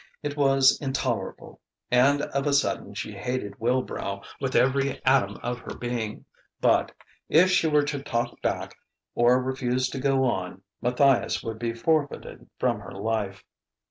It was intolerable! And of a sudden she hated Wilbrow with every atom of her being. But ... if she were to talk back or refuse to go on, Matthias would be forfeited from her life.